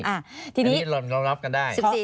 อันนี้เรารับกันได้